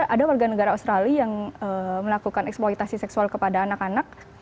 ada warga negara australia yang melakukan eksploitasi seksual kepada anak anak